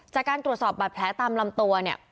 จากการตรวจสอบบาดแผลตามลำตัวเนี่ย